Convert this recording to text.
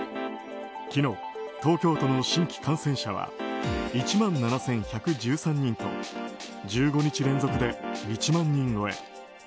昨日、東京都の新規感染者は１万７１１３人と１５日連続で１万人超え。